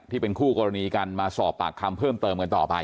ที่เป็นคู่กรณีกันมาสอบปากคำเพิ่มเติมกันต่อไป